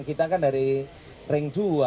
kita kan dari ring dua